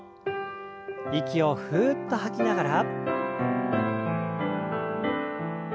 息をふっと吐きながら。